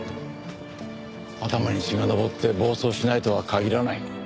頭に血が上って暴走しないとは限らない。